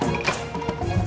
masih ada yang nangis